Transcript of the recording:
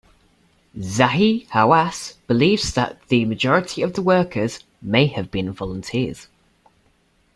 Zahi Hawass believes that the majority of workers may have been volunteers.